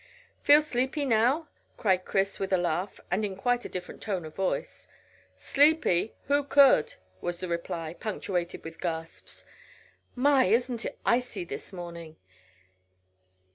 "Feel sleepy now?" cried Chris, with a laugh, and in quite a different tone of voice. "Sleepy? Who could?" was the reply, punctuated with gasps. "My! Isn't it icy this morning!"